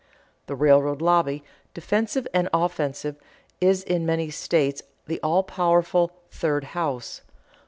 The railroad lobby, defensive and offensive, is in many states the all powerful "third house."